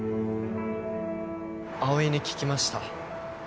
葵に聞きました。